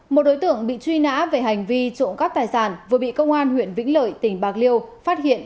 một đối tượng bị truy nã về hành vi trộm cắp tài sản vừa bị công an huyện vĩnh lợi tỉnh bạc liêu phát hiện